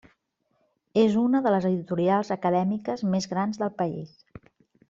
És una de les editorials acadèmiques més grans del país.